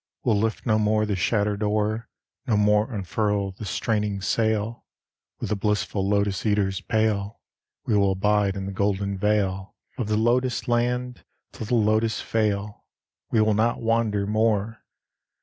We'll lift no more the shattered oar, No more unfurl the straining sail; With the blissful Lotos eaters pale We will abide in the golden vale Of the Lotos land, till the Lotos fail; We will not wander more.